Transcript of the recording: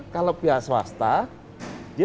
kalau pihak swasta dia